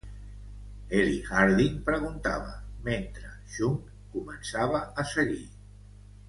Eli Harding preguntava, mentre Shunk començava a seguir.